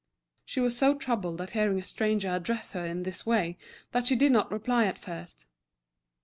She was so troubled at hearing a stranger address her in this way that she did not reply at first.